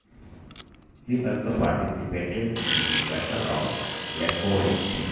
He also participated in the Battle of Lakowitz.